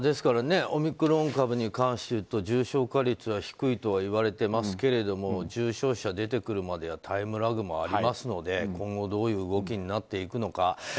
オミクロン株に関していうと重症化率は低いといわれてますけど重症者が出てくるまでタイムラグもありますので今後、どういう動きになっていくのか。